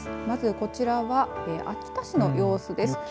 まずこちらは秋田市の様子です。